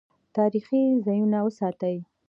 تاریخي ځایونه وساتئ